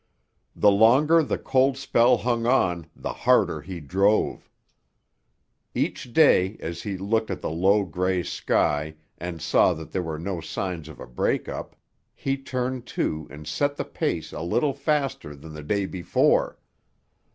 The longer the cold spell hung on the harder he drove. Each day, as he looked at the low, grey sky and saw that there were no signs of a break up, he turned to and set the pace a little faster than the day before.